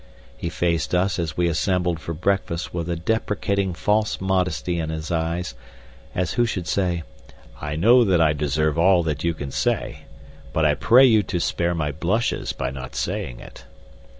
He faced us as we assembled for breakfast with a deprecating false modesty in his eyes, as who should say, "I know that I deserve all that you can say, but I pray you to spare my blushes by not saying it."